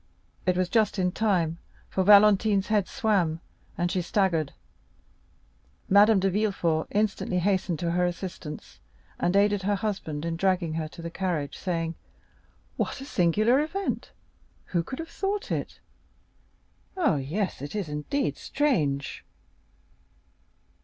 It was just in time, for Valentine's head swam, and she staggered; Madame de Villefort instantly hastened to her assistance, and aided her husband in dragging her to the carriage, saying: "What a singular event! Who could have thought it? Ah, yes, it is indeed strange!"